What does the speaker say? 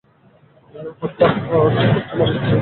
না, হত্যার ভার তোমার উপর ছেড়ে দিচ্ছি।